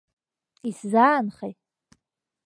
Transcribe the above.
Исзаанхеи?